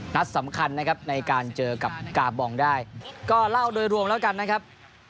นัดสำคัญนะครับในการเจอกับกาบองได้ก็เล่าโดยรวมแล้วกันนะครับ